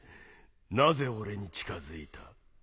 なぜ俺に近づいた？